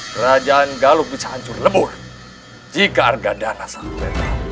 kerajaan galuk bisa hancur lebur jika arkadana sangat berbahaya